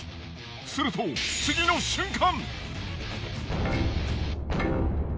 すると次の瞬間。